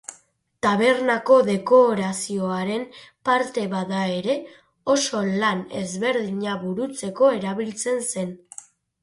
Tabernako dekorazioaren parte bada ere, oso lan ezberdina burutzeko erabiltzen zen.